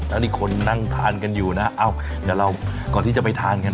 แล้วนี่คนนั่งทานกันอยู่นะเอ้าเดี๋ยวเราก่อนที่จะไปทานกัน